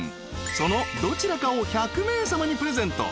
［そのどちらかを１００名さまにプレゼント］